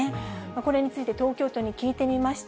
これについて東京都に聞いてみました。